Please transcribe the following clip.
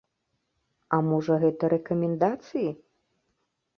А можа гэта рэкамендацыі?